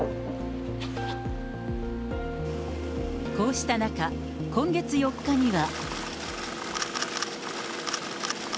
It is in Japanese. こうした中、今月４日には。